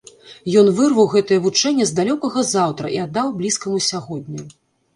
Ён вырваў гэтае вучэнне з далёкага заўтра і аддаў блізкаму сягоння.